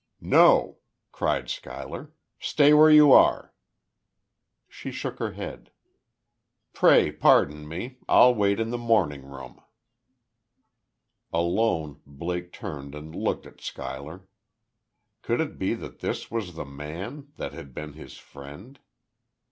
"No!" cried Schuyler. "Stay where you are." She shook her head. "Pray pardon me. I'll wait in the morning room." Alone, Blake turned and looked at Schuyler. Could it be that this was the man that had been his friend?